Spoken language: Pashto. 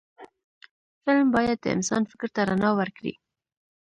فلم باید د انسان فکر ته رڼا ورکړي